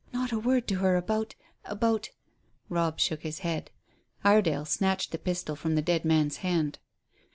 "Not a word to her about about " Robb shook his head. Iredale snatched the pistol from the dead man's hand.